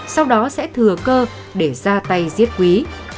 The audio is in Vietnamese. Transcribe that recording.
sau đó sẽ thừa cơ để ra tay giết quý